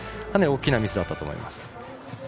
かなり大きなミスだったと思います。